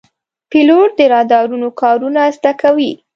پیلوټ د رادارونو کارونه زده کوي.